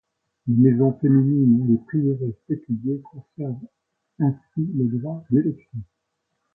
Les maisons féminines et les prieurés séculiers conservent ainsi le droit d'élection.